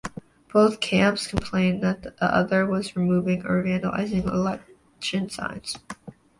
Both camps complained that the other one was removing or vandalizing election signs.